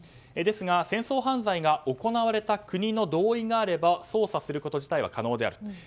ですが、戦争犯罪が行われた国の同意があれば捜査すること自体は可能であると。